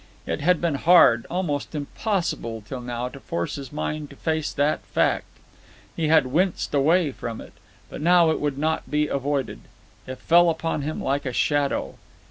It had been hard, almost impossible, till now to force his mind to face that fact. He had winced away from it. But now it would not be avoided. It fell upon him like a shadow.